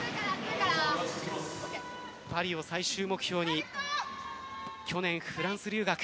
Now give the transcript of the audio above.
パリを最終目標に去年、フランス留学。